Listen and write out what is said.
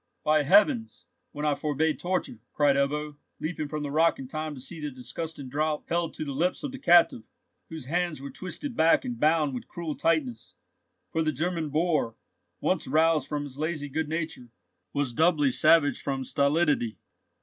"By heavens, when I forbade torture!" cried Ebbo, leaping from the rock in time to see the disgusting draught held to the lips of the captive, whose hands were twisted back and bound with cruel tightness; for the German boor, once roused from his lazy good nature, was doubly savage from stolidity.